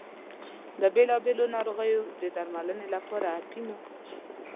د بېلا بېلو ناروغیو د درملنې لپاره اپینو.